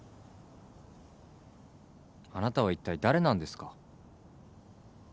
あなたはいったい誰なんですか？